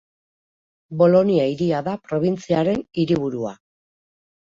Bolonia hiria da probintziaren hiriburua.